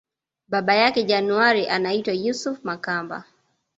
Baba yake January anaitwa Yusufu Makamba